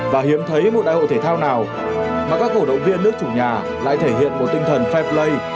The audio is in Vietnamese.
và hiếm thấy một đại hội thể thao nào mà các cổ động viên nước chủ nhà lại thể hiện một tinh thần fair play